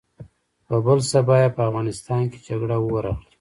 په بل سبا يې په افغانستان کې جګړه اور اخلي.